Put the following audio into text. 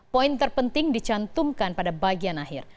poin terpenting dicantumkan pada bagian akhir